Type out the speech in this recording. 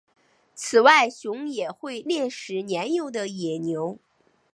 此外熊也会猎食年幼的野牛。